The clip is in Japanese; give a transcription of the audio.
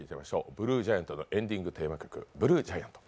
「ＢＬＵＥＧＩＡＮＴ」のエンディングテーマ曲「ＢＬＵＥＧＩＡＮＴ」。